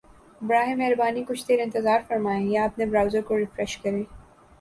براہ مہربانی کچھ دیر انتظار فرمائیں یا اپنے براؤزر کو ریفریش کریں